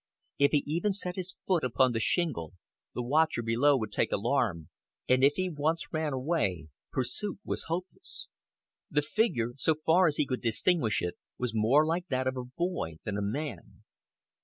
If he even set his foot upon the shingle, the watcher below would take alarm, and if he once ran away, pursuit was hopeless. The figure, so far as he could distinguish it, was more like that of a boy than a man.